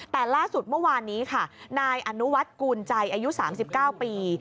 แต่ล่าสุดเมื่อวานนี้ค่ะนายอนุวัฒน์กูลใจอายุ๓๙ปี